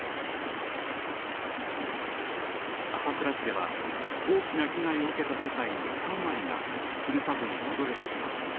朝倉市では大きな被害を受けた世帯の３割が故郷に戻れていません。